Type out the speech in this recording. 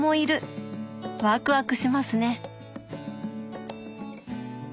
ワクワクしますね。